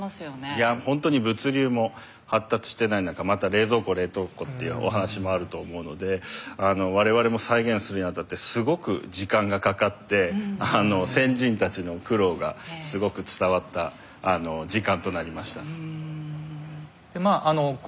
いやほんとに物流も発達してない中また冷蔵庫冷凍庫っていうお話もあると思うので我々も再現するにあたってすごく時間がかかって先人たちの苦労がすごく伝わった時間となりました。